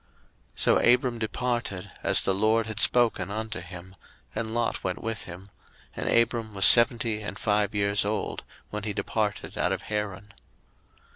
01:012:004 So Abram departed, as the LORD had spoken unto him; and Lot went with him: and Abram was seventy and five years old when he departed out of Haran.